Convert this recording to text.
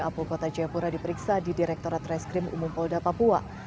apokota jaipura diperiksa di direkturat reskrim umum polda papua